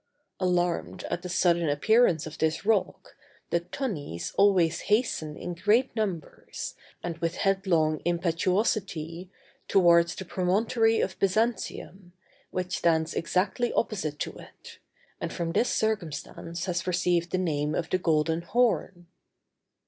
Alarmed at the sudden appearance of this rock, the tunnies always hasten in great numbers, and with headlong impetuosity, towards the promontory of Byzantium, which stands exactly opposite to it, and from this circumstance has received the name of the Golden Horn.